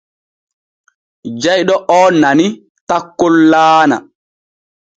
Jayɗo oo nani takkol laana.